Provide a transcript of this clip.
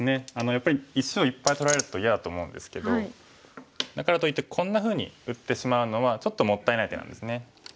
やっぱり石をいっぱい取られると嫌だと思うんですけどだからといってこんなふうに打ってしまうのはちょっともったいない手なんですね。